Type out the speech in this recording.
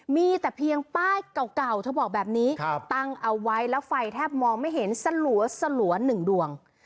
มีแต่เพียงป้ายเก่าเธอบอกแบบนี้ตั้งเอาไว้แล้วไฟแทบมองไม่เห็นสลัวหนึ่งดวง